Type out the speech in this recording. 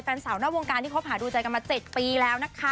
เพื่อนสาวน้ำวงการที่คบหาดูใจมาเจ็ดปีแล้วนะคะ